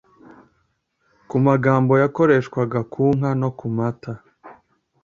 ku magambo yakoreshwaga ku nka no ku mata